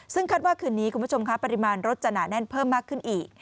ซึ่งคาดว่าคืนนี้คุณผู้ชมครับปริมาณรถจะหนาแน่นเพิ่มมากขึ้นอีก